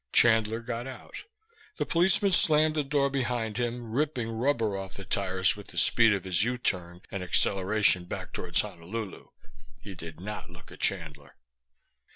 Chandler got out. The policeman slammed the door behind him, ripping rubber off his tires with the speed of his U turn and acceleration back toward Honolulu. He did not look at Chandler.